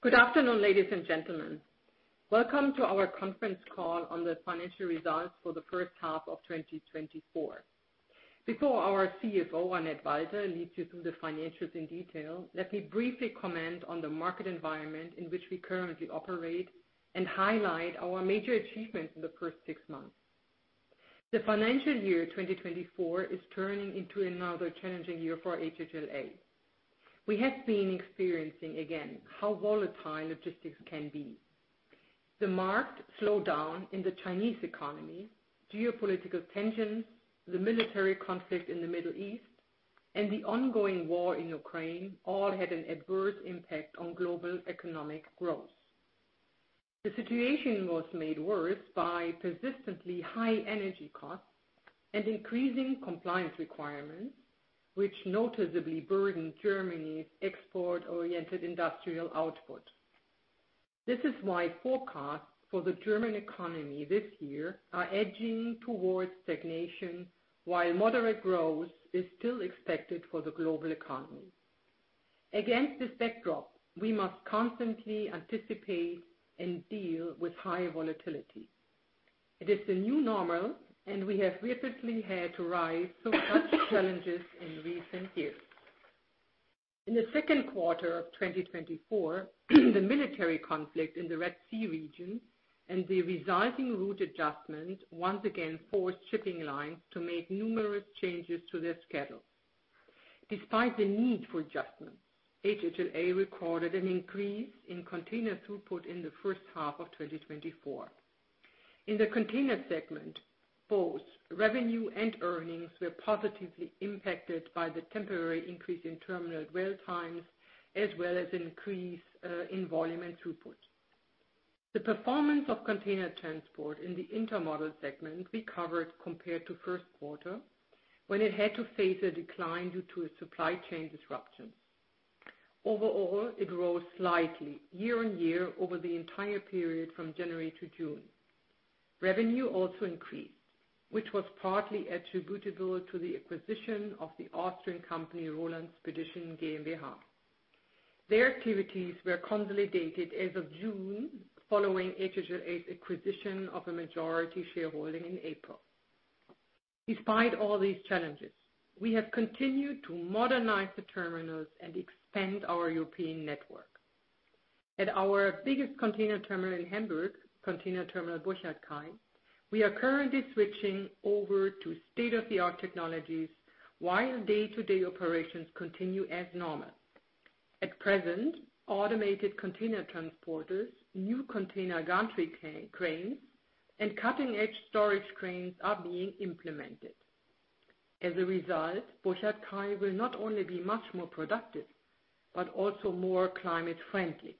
Good afternoon, ladies and gentlemen. Welcome to our conference call on the financial results for the first half of 2024. Before our CFO, Annette Walter, leads you through the financials in detail, let me briefly comment on the market environment in which we currently operate and highlight our major achievements in the first six months. The financial year 2024 is turning into another challenging year for HHLA. We have been experiencing again, how volatile logistics can be. The marked slowdown in the Chinese economy, geopolitical tensions, the military conflict in the Middle East, and the ongoing war in Ukraine, all had an adverse impact on global economic growth. The situation was made worse by persistently high energy costs and increasing compliance requirements, which noticeably burdened Germany's export-oriented industrial output. This is why forecasts for the German economy this year are edging towards stagnation, while moderate growth is still expected for the global economy. Against this backdrop, we must constantly anticipate and deal with higher volatility. It is the new normal, and we have repeatedly had to rise to such challenges in recent years. In the second quarter of 2024, the military conflict in the Red Sea region and the resulting route adjustment once again forced shipping lines to make numerous changes to their schedules. Despite the need for adjustment, HHLA recorded an increase in container throughput in the first half of 2024. In the container segment, both revenue and earnings were positively impacted by the temporary increase in terminal dwell times, as well as an increase in volume and throughput. The performance of container transport in the intermodal segment recovered compared to first quarter, when it had to face a decline due to a supply chain disruption. Overall, it grew slightly year-on-year over the entire period from January to June. Revenue also increased, which was partly attributable to the acquisition of the Austrian company, Roland Spedition GmbH. Their activities were consolidated as of June, following HHLA's acquisition of a majority shareholding in April. Despite all these challenges, we have continued to modernize the terminals and expand our European network. At our biggest container terminal in Hamburg, Container Terminal Burchardkai, we are currently switching over to state-of-the-art technologies, while day-to-day operations continue as normal. At present, automated container transporters, new container gantry cranes, and cutting-edge storage cranes are being implemented. As a result, Burchardkai will not only be much more productive, but also more climate friendly.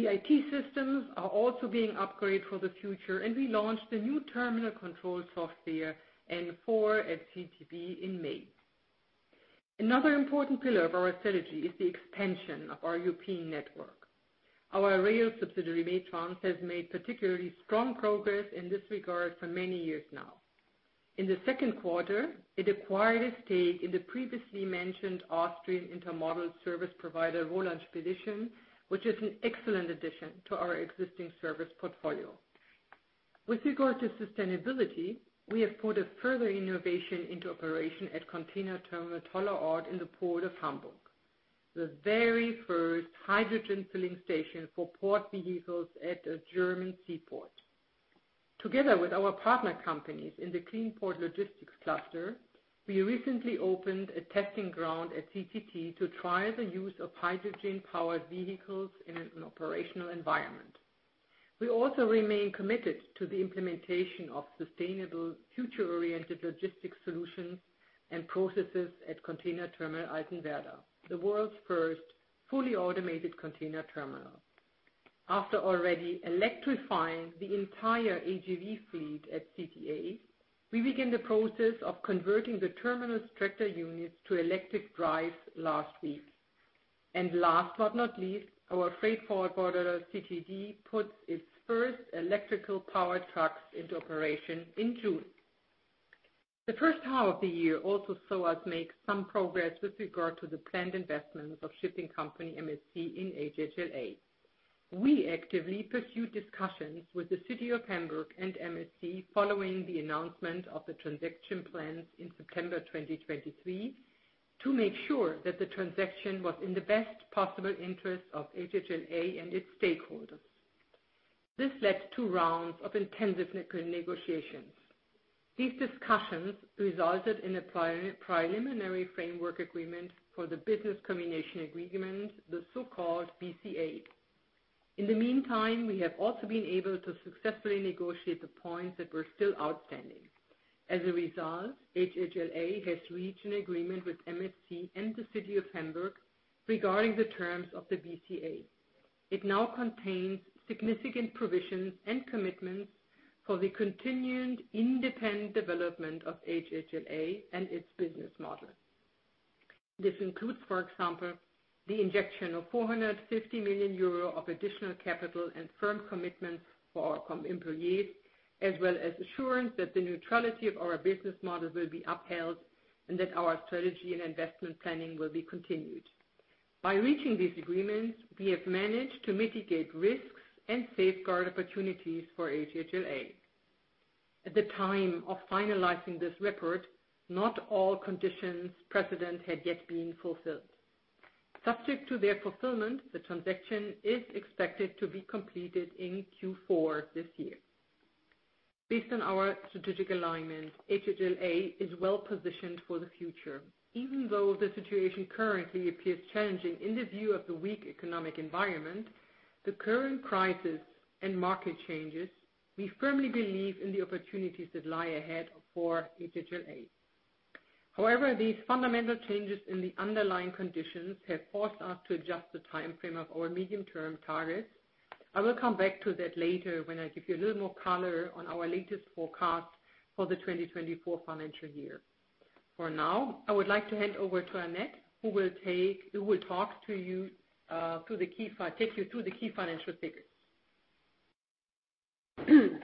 The IT systems are also being upgraded for the future, and we launched the new terminal control software, N4 at CTB, in May. Another important pillar of our strategy is the expansion of our European network. Our rail subsidiary, Metrans, has made particularly strong progress in this regard for many years now. In the second quarter, it acquired a stake in the previously mentioned Austrian intermodal service provider, Roland Spedition, which is an excellent addition to our existing service portfolio. With regard to sustainability, we have put a further innovation into operation at Container Terminal Tollerort in the Port of Hamburg, the very first hydrogen filling station for port vehicles at a German seaport. Together with our partner companies in the Clean Port Logistics cluster, we recently opened a testing ground at CTT to try the use of hydrogen-powered vehicles in an operational environment. We also remain committed to the implementation of sustainable, future-oriented logistics solutions and processes at Container Terminal Altenwerder, the world's first fully automated container terminal. After already electrifying the entire AGV fleet at CTA, we began the process of converting the terminal's tractor units to electric drive last week. Last but not least, our freight forwarder, CTD, put its first electrically powered trucks into operation in June. The first half of the year also saw us make some progress with regard to the planned investments of shipping company MSC in HHLA. We actively pursued discussions with the City of Hamburg and MSC following the announcement of the transaction plans in September 2023, to make sure that the transaction was in the best possible interest of HHLA and its stakeholders. This led to rounds of intensive negotiations. These discussions resulted in a preliminary framework agreement for the Business Combination Agreement, the so-called BCA. In the meantime, we have also been able to successfully negotiate the points that were still outstanding. As a result, HHLA has reached an agreement with MSC and the City of Hamburg regarding the terms of the BCA. It now contains significant provisions and commitments for the continued independent development of HHLA and its business model. This includes, for example, the injection of 450 million euro of additional capital and firm commitments for our employees, as well as assurance that the neutrality of our business model will be upheld, and that our strategy and investment planning will be continued. By reaching these agreements, we have managed to mitigate risks and safeguard opportunities for HHLA. At the time of finalizing this report, not all conditions precedent had yet been fulfilled. Subject to their fulfillment, the transaction is expected to be completed in Q4 this year. Based on our strategic alignment, HHLA is well positioned for the future. Even though the situation currently appears challenging in the view of the weak economic environment, the current crisis, and market changes, we firmly believe in the opportunities that lie ahead for HHLA. However, these fundamental changes in the underlying conditions have forced us to adjust the timeframe of our medium-term targets. I will come back to that later when I give you a little more color on our latest forecast for the 2024 financial year. For now, I would like to hand over to Annette, who will take you through the key financial figures.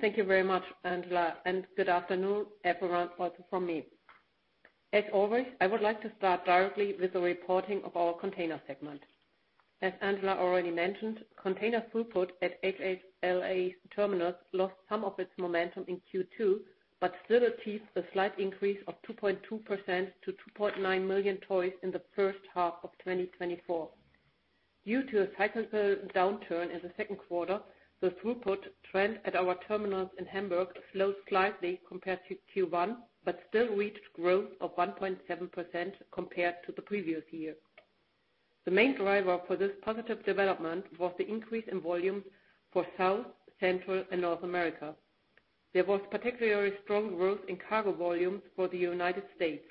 Thank you very much, Angela, and good afternoon, everyone, also from me. As always, I would like to start directly with the reporting of our container segment. As Angela already mentioned, container throughput at HHLA terminals lost some of its momentum in Q2, but still achieved a slight increase of 2.2% to 2.9 million TEU in the first half of 2024. Due to a cyclical downturn in the second quarter, the throughput trend at our terminals in Hamburg slowed slightly compared to Q1, but still reached growth of 1.7% compared to the previous year. The main driver for this positive development was the increase in volume for South, Central, and North America. There was particularly strong growth in cargo volumes for the United States.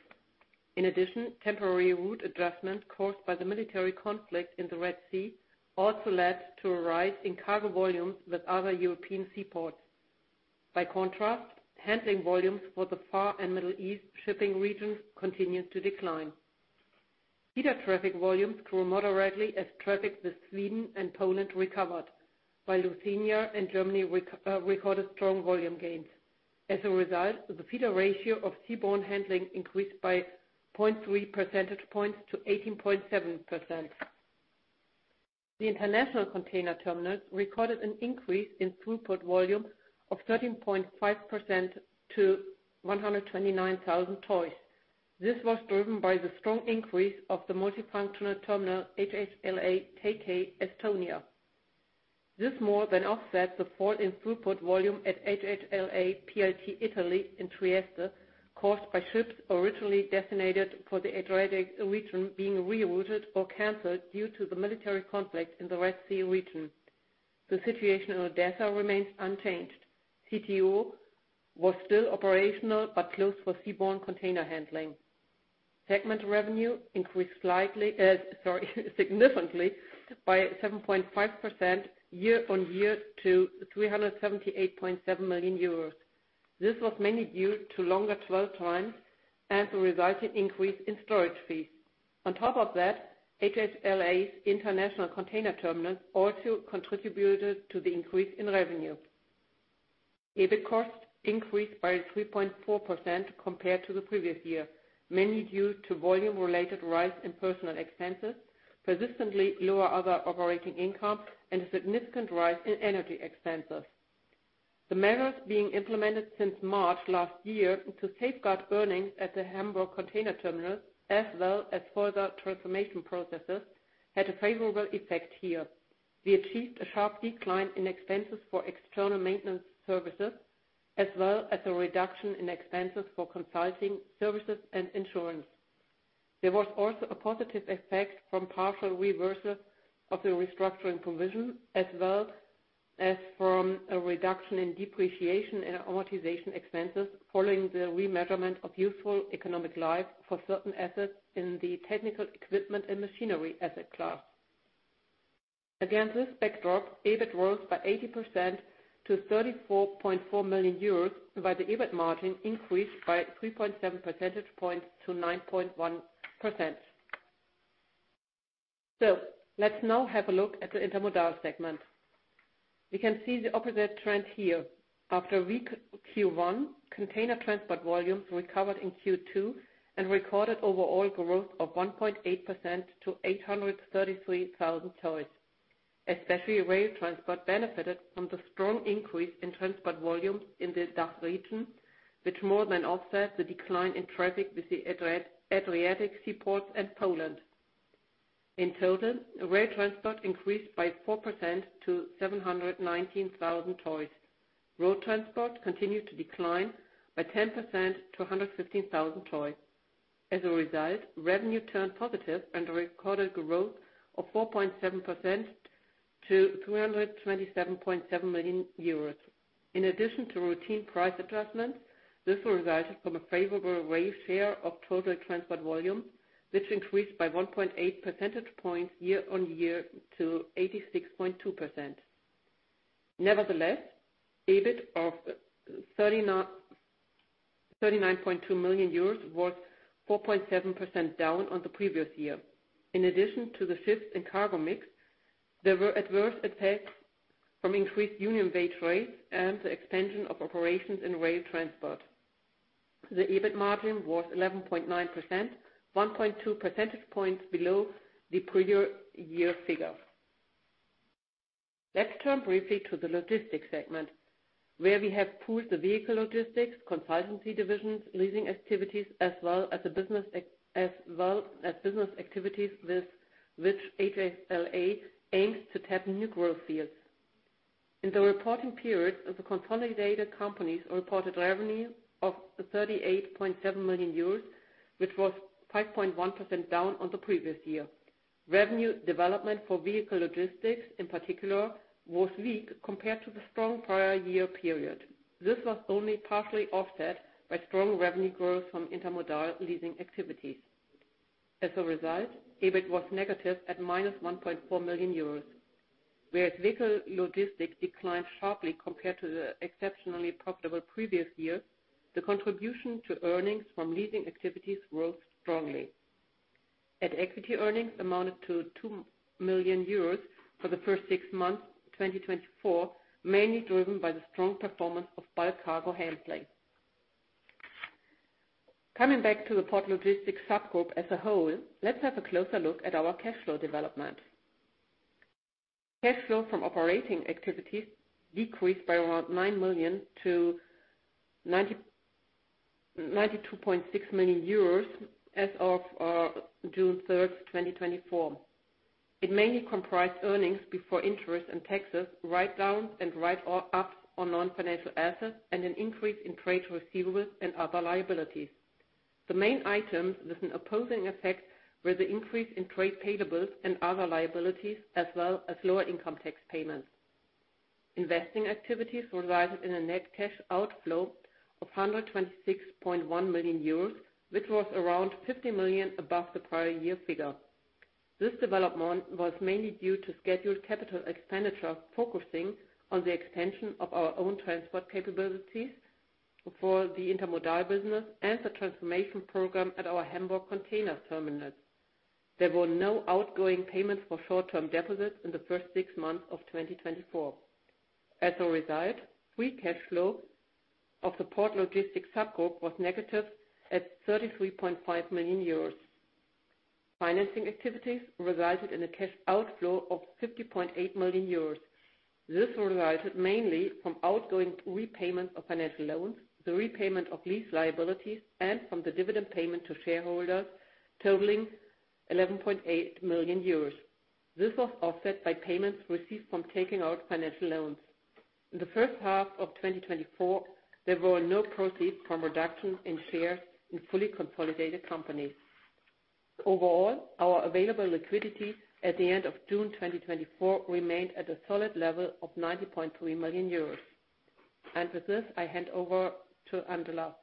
In addition, temporary route adjustments caused by the military conflict in the Red Sea also led to a rise in cargo volumes with other European seaports. By contrast, handling volumes for the Far and Middle East shipping regions continued to decline. Feeder traffic volumes grew moderately as traffic with Sweden and Poland recovered, while Lithuania and Germany recorded strong volume gains. As a result, the feeder ratio of seaborne handling increased by 0.3 percentage points to 18.7%. The international container terminals recorded an increase in throughput volume of 13.5% to 129,000 TEU. This was driven by the strong increase of the multifunctional terminal, HHLA TK Estonia. This more than offset the fall in throughput volume at HHLA PLT Italy in Trieste, caused by ships originally designated for the Adriatic region being rerouted or canceled due to the military conflict in the Red Sea region. The situation in Odessa remains unchanged. CTO was still operational, but closed for seaborne container handling. Segment revenue increased significantly by 7.5% year-on-year to 378.7 million euros. This was mainly due to longer dwell times and the resulting increase in storage fees. On top of that, HHLA's international container terminals also contributed to the increase in revenue. EBIT costs increased by 3.4% compared to the previous year, mainly due to volume-related rise in personnel expenses, persistently lower other operating income, and a significant rise in energy expenses. The measures being implemented since March last year to safeguard earnings at the Hamburg container terminal, as well as further transformation processes, had a favorable effect here. We achieved a sharp decline in expenses for external maintenance services, as well as a reduction in expenses for consulting, services, and insurance. There was also a positive effect from partial reversal of the restructuring provision, as well as from a reduction in depreciation and amortization expenses following the remeasurement of useful economic life for certain assets in the technical equipment and machinery asset class. Against this backdrop, EBIT rose by 80% to 34.4 million euros, and the EBIT margin increased by 3.7 percentage points to 9.1%. So let's now have a look at the intermodal segment. We can see the opposite trend here. After a weak Q1, container transport volumes recovered in Q2 and recorded overall growth of 1.8% to 833,000 TEU. Especially rail transport benefited from the strong increase in transport volumes in the DACH region, which more than offsets the decline in traffic with the Adriatic Sea ports and Poland. In total, rail transport increased by 4% to 719,000 TEU. Road transport continued to decline by 10% to 115,000 TEU. As a result, revenue turned positive and recorded growth of 4.7% to 227.7 million euros. In addition to routine price adjustments, this resulted from a favorable rail share of total transport volume, which increased by 1.8 percentage points year-on-year to 86.2%. Nevertheless, EBIT of 39.2 million euros was 4.7% down on the previous year. In addition to the shift in cargo mix, there were adverse effects from increased union wage rates and the expansion of operations in rail transport. The EBIT margin was 11.9%, 1.2 percentage points below the previous year figure. Let's turn briefly to the logistics segment, where we have pooled the vehicle logistics, consultancy divisions, leasing activities, as well as business activities with which HHLA aims to tap new growth fields. In the reporting period, the consolidated companies reported revenue of 38.7 million euros, which was 5.1% down on the previous year. Revenue development for vehicle logistics, in particular, was weak compared to the strong prior year period. This was only partially offset by strong revenue growth from intermodal leasing activities. As a result, EBIT was negative at -1.4 million euros, whereas vehicle logistics declined sharply compared to the exceptionally profitable previous year, the contribution to earnings from leasing activities grew strongly. At equity, earnings amounted to 2 million euros for the first six months, 2024, mainly driven by the strong performance of bulk cargo handling. Coming back to the Port Logistics subgroup as a whole, let's have a closer look at our cash flow development. Cash flow from operating activities decreased by around 9 million to 92.6 million euros as of June 3, 2024. It mainly comprised earnings before interest and taxes, write-downs and write-ups on non-financial assets, and an increase in trade receivables and other liabilities. The main items with an opposing effect were the increase in trade payables and other liabilities, as well as lower income tax payments. Investing activities resulted in a net cash outflow of 126.1 million euros, which was around 50 million above the prior year figure. This development was mainly due to scheduled capital expenditure, focusing on the extension of our own transport capabilities for the intermodal business and the transformation program at our Hamburg container terminal. There were no outgoing payments for short-term deposits in the first six months of 2024. As a result, free cash flow of the Port Logistics subgroup was negative at 33.5 million euros. Financing activities resulted in a cash outflow of 50.8 million euros. This resulted mainly from outgoing repayment of financial loans, the repayment of lease liabilities, and from the dividend payment to shareholders totaling 11.8 million euros. This was offset by payments received from taking out financial loans. In the first half of 2024, there were no proceeds from reduction in shares in fully consolidated companies. Overall, our available liquidity at the end of June 2024 remained at a solid level of 90.3 million euros. With this, I hand over to Angela.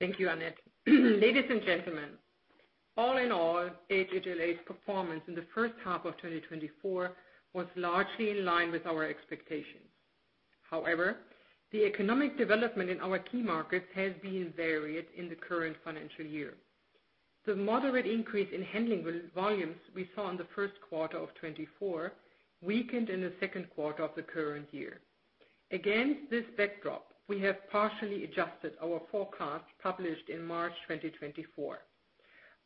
Thank you, Annette. Ladies and gentlemen, all in all, HHLA's performance in the first half of 2024 was largely in line with our expectations. However, the economic development in our key markets has been varied in the current financial year. The moderate increase in handling volumes we saw in the first quarter of 2024 weakened in the second quarter of the current year. Against this backdrop, we have partially adjusted our forecast, published in March 2024.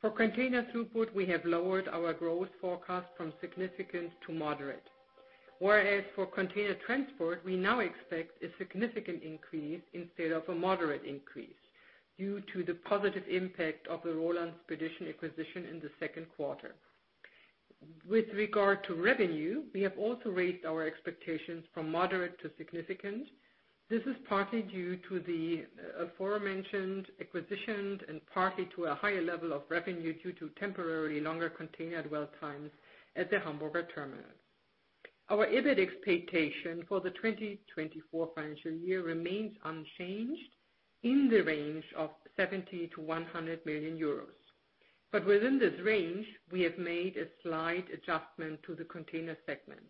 For container throughput, we have lowered our growth forecast from significant to moderate, whereas for container transport, we now expect a significant increase instead of a moderate increase due to the positive impact of the Roland Spedition acquisition in the second quarter. With regard to revenue, we have also raised our expectations from moderate to significant. This is partly due to the aforementioned acquisitions and partly to a higher level of revenue due to temporarily longer container dwell times at the Hamburger terminal. Our EBIT expectation for the 2024 financial year remains unchanged in the range of 70 million-100 million euros. But within this range, we have made a slight adjustment to the container segment.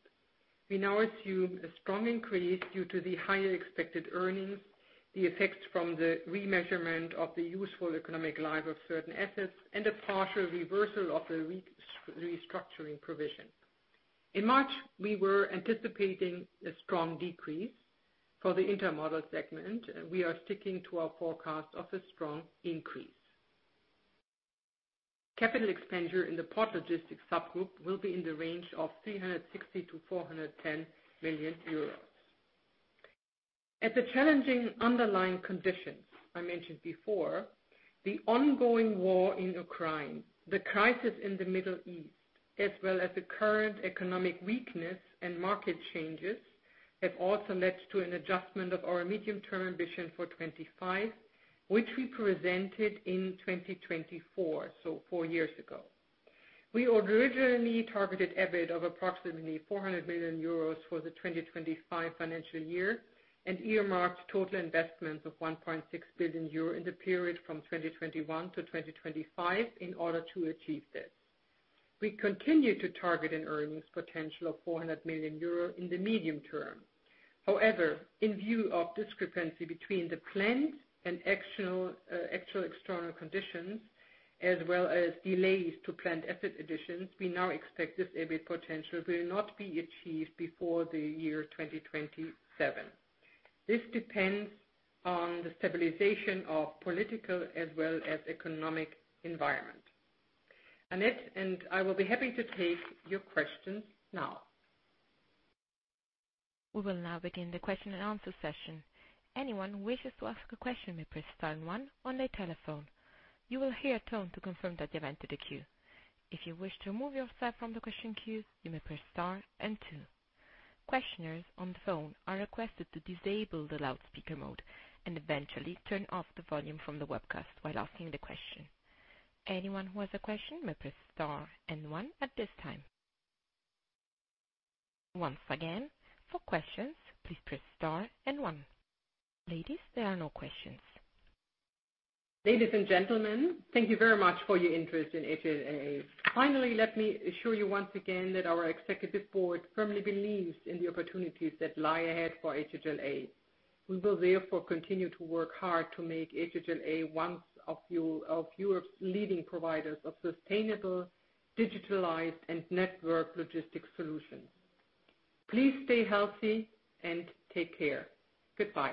We now assume a strong increase due to the higher expected earnings, the effects from the remeasurement of the useful economic life of certain assets, and a partial reversal of the restructuring provision. In March, we were anticipating a strong decrease for the intermodal segment, we are sticking to our forecast of a strong increase. Capital expenditure in the Port Logistics subgroup will be in the range of 360 million-410 million euros. At the challenging underlying conditions I mentioned before, the ongoing war in Ukraine, the crisis in the Middle East, as well as the current economic weakness and market changes, have also led to an adjustment of our medium-term ambition for 2025, which we presented in 2024, so four years ago. We originally targeted EBIT of approximately 400 million euros for the 2025 financial year, and earmarked total investments of 1.6 billion euro in the period from 2021 to 2025 in order to achieve this. We continue to target an earnings potential of 400 million euro in the medium term. However, in view of discrepancy between the planned and actual, actual external conditions, as well as delays to planned asset additions, we now expect this EBIT potential will not be achieved before the year 2027. This depends on the stabilization of political as well as economic environment. Annette and I will be happy to take your questions now. We will now begin the question and answer session. Anyone who wishes to ask a question may press star one on their telephone. You will hear a tone to confirm that you have entered the queue. If you wish to remove yourself from the question queue, you may press star and two. Questioners on the phone are requested to disable the loudspeaker mode and eventually turn off the volume from the webcast while asking the question. Anyone who has a question may press star and one at this time. Once again, for questions, please press star and one. Ladies, there are no questions. Ladies and gentlemen, thank you very much for your interest in HHLA. Finally, let me assure you once again that our executive board firmly believes in the opportunities that lie ahead for HHLA. We will therefore continue to work hard to make HHLA one of Europe's leading providers of sustainable, digitalized, and network logistic solutions. Please stay healthy and take care. Goodbye.